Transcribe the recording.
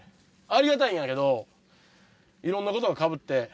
ありがたいんやけど色んなことがかぶって。